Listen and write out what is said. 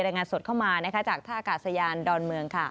รายงานสดเข้ามาจากท่ากาศยานดอนเมือง